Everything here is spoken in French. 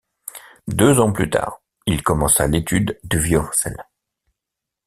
Deux ans plus tard, il commença l’étude du violoncelle.